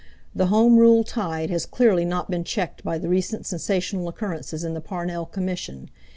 The home rule tide has clearly not been checked by the recent sensational occurrences in the Parnell Commission.